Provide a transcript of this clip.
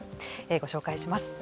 ご紹介します。